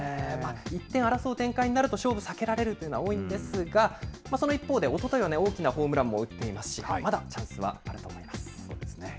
１点を争う展開になると勝負避けられるというのは多いんですが、その一方で、おとといは大きなホームランも打っていますし、まだチャンスはあると思います。